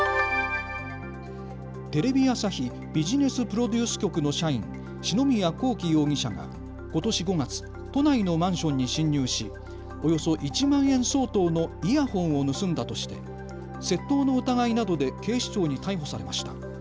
テレビ朝日ビジネスプロデュース局の社員、篠宮康希容疑者がことし５月、都内のマンションに侵入しおよそ１万円相当のイヤホンを盗んだとして窃盗の疑いなどで警視庁に逮捕されました。